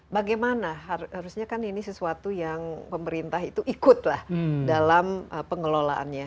bagaimana harusnya kan ini sesuatu yang pemerintah itu ikutlah dalam pengelolaannya